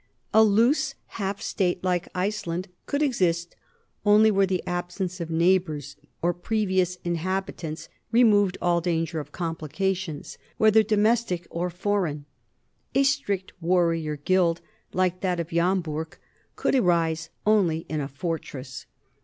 A loose half state like Iceland could exist only where the absence of neighbors or previous inhabitants removed all danger of complications, whether domestic or foreign. A strict warrior gild like that of Jomburg could arise only in a fortress.